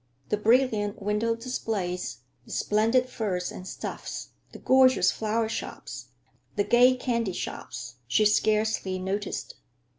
The brilliant window displays, the splendid furs and stuffs, the gorgeous flower shops, the gay candy shops, she scarcely noticed.